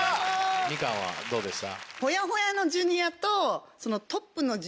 みかんはどうでした？